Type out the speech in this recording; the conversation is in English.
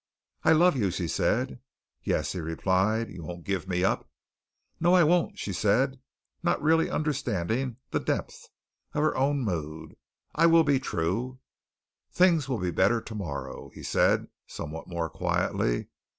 "I love you," she said. "Yes," he replied. "You won't give me up?" "No, I won't," she said, not really understanding the depth of her own mood. "I will be true." "Things will be better tomorrow," he said, somewhat more quietly.